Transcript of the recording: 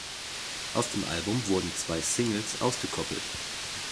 Aus dem Album wurden zwei Singles ausgekoppelt.